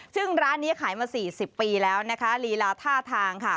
ซึ่งร้านนี้ขายมา๔๐ปีแล้วนะคะลีลาท่าทางค่ะ